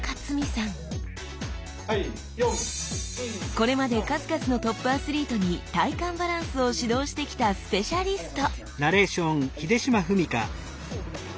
これまで数々のトップアスリートに体幹バランスを指導してきたスペシャリスト！